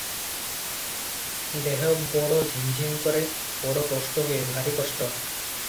ଦେହ ବଡ଼ ଝିମ୍ ଝିମ୍ କରେ, ବଡ଼ କଷ୍ଟ ହୁଏ – ଭାରି କଷ୍ଟ ।